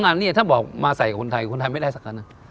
อันนี้ถ้าบอกมาใส่คนไทยคนไทยไม่ได้สักครั้งนะ